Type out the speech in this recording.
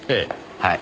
はい。